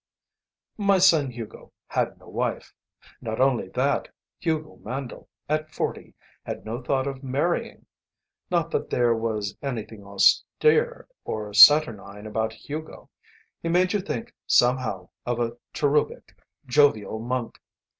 My son Hugo had no wife. Not only that, Hugo Mandle, at forty, had no thought of marrying. Not that there was anything austere or saturnine about Hugo. He made you think, somehow, of a cherubic, jovial monk.